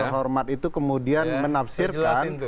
hormat itu kemudian menafsirkan